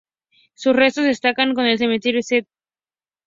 Sus restos descansan en el cementerio St.